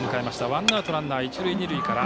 ワンアウトランナー、一塁二塁から。